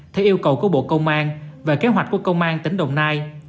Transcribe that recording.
theo yêu cầu của bộ công an về kế hoạch của công an tỉnh đồng nai